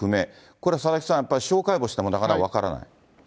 これは佐々木さん、やっぱり司法解剖してもなかなか分からない？